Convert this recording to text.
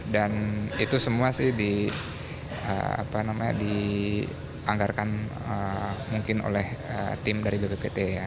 dan itu semua sih dianggarkan mungkin oleh tim dari bppt ya